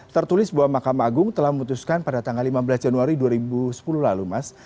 tertulis bahwa mahkamah agung telah memutuskan pada tanggal lima belas januari dua ribu sepuluh lalu mas